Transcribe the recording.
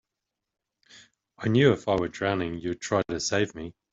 I knew if I were drowning you'd try to save me.